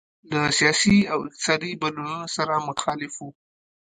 له سیاسي او اقتصادي بدلونونو سره مخالف وو.